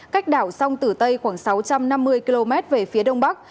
cách đảo sông tử tây khoảng sáu trăm năm mươi km về phía đông bắc